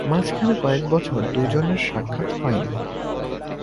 মাঝখানে কয়েক বছর দু'জনের সাক্ষাৎ হয়নি।